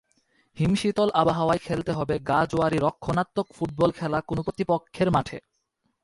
হিমশীতল আবহাওয়ায় খেলতে হবে গা-জোয়ারি রক্ষণাত্মক ফুটবল খেলা কোনো প্রতিপক্ষের মাঠে।